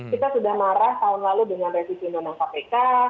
kita sudah marah tahun lalu dengan revisi undang undang kpk